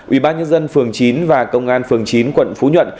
ubnd phường chín và công an phường chín quận phú nhuận